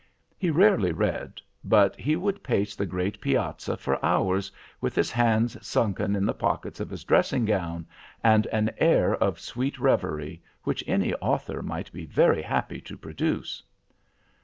"He rarely read, but he would pace the great piazza for hours, with his hands sunken in the pockets of his dressing gown, and an air of sweet reverie, which any author might be very happy to produce.